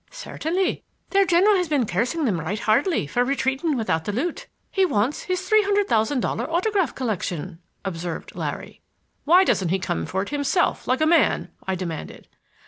"Certainly. Their general has been cursing them right heartily for retreating without the loot. He wants his three hundred thousand dollar autograph collection," observed Larry. "Why doesn't he come for it himself, like a man?" I demanded.